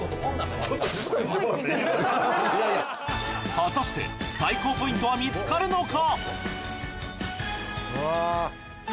果たして最高ポイントは見つかるのか？